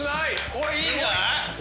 これいいんじゃない？